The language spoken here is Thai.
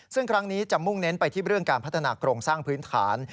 ซึ่งครั้งนี้จะมุ่งเน้นไปที่เรื่องการพัฒนาโครงสร้างพื้นฐาน